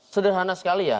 sederhana sekali ya